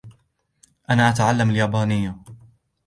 أنا أتعلم اليابانية.